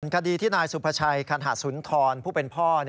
คดีที่นายสุภาชัยคันหาสุนทรผู้เป็นพ่อ